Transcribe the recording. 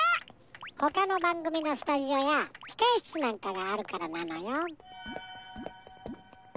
ほかのばんぐみのスタジオやひかえしつなんかがあるからなのよ。